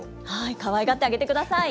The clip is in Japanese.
かわいがってあげてください。